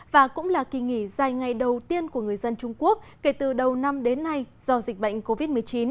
và cũng là kỳ nghỉ dài ngày đầu tiên của người dân trung quốc kể từ đầu năm đến nay do dịch bệnh covid một mươi chín